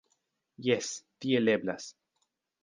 Jes, tiel eblas.